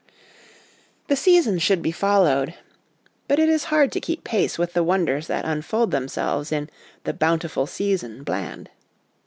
The Seasons should be followed. But it is hard to keep pace with the wonders that unfold themselves in 'the bountiful season, bland.'